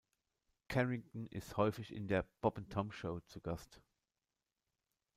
Carrington ist häufig in der "Bob and Tom Show" zu Gast.